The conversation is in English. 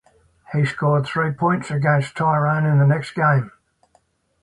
He scored three points against Tyrone in the next game.